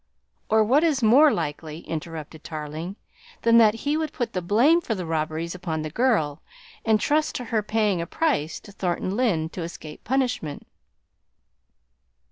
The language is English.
"Or what is more likely," interrupted Tarling, "than that he would put the blame for the robberies upon the girl and trust to her paying a price to Thornton Lyne to escape punishment?"